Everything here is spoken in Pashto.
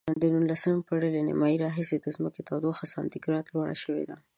د نولسمې پیړۍ له نیمایي راهیسې د ځمکې تودوخه سانتي ګراد لوړه شوې ده.